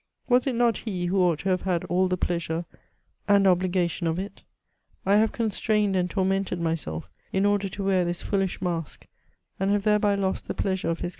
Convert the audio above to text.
Was it not he who ought to have had all the pleasure an obligation of it: J! I have constrained and tormented mysdf, in order to wet^i^^this foolish i^ask^ and have thereby lost the pleasure pf hi»?'